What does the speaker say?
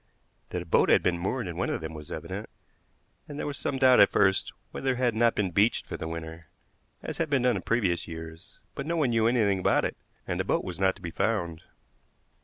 That a boat had been moored in one of them was evident, and there was some doubt at first whether it had not been beached for the winter, as had been done in previous years; but no one knew anything about it, and the boat was not to be found.